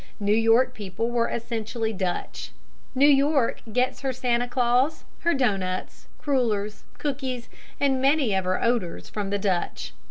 New York people were essentially Dutch. New York gets her Santa Claus, her doughnuts, crullers, cookies, and many of her odors, from the Dutch.